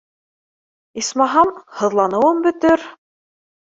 Исмаһам, һыҙланыуым бөтөр.